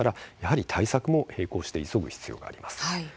対策を並行して急ぐ必要があります。